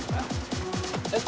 えっ？